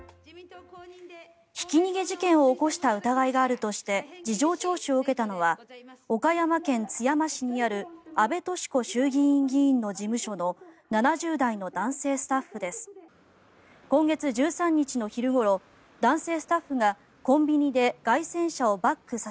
ひき逃げ事件を起こした疑いがあるとして事情聴取を受けたのは岡山県津山市にある阿部俊子衆議院議員の事務所の７０代の男性スタッフです。